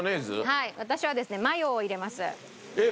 はい私はですねマヨを入れます。